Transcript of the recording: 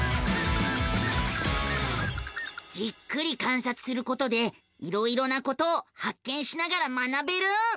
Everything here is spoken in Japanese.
じっくり観察することでいろいろなことを発見しながら学べる。